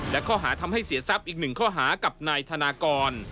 และข้อหาทำให้เสียทรัพย์อีกหนึ่งข้อหากับนายธนากร